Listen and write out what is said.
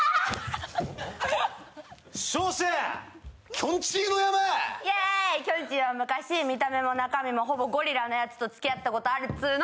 きょんちぃは昔見た目も中身もほぼゴリラのやつとつきあったことあるっつーの！